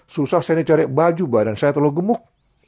susah saya cari baju badan saya terlalu gemuk